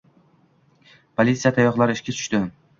Polisiya tayoqlari ishga tushdi